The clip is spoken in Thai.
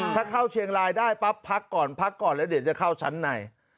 ถ้าเข้าเชียงรายได้ปั๊บพักก่อนพักก่อนแล้วเดี๋ยวจะเข้าชั้นใน